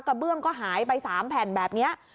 เบื้องก็หายไป๓แผ่นแบบนี้